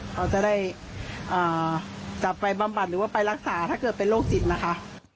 เขาจะได้จับไปบำบัดหรือว่าไปรักษาถ้าเกิดเป็นโรคจิตนะคะ